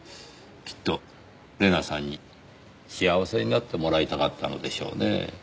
きっと玲奈さんに幸せになってもらいたかったのでしょうねぇ。